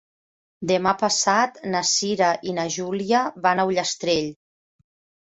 Demà passat na Cira i na Júlia van a Ullastrell.